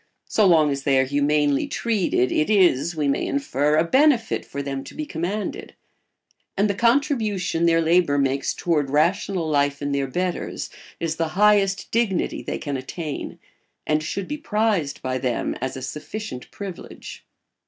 So long as they are humanely treated, it is, we may infer, a benefit for them to be commanded; and the contribution their labour makes toward rational life in their betters is the highest dignity they can attain, and should be prized by them as a sufficient privilege.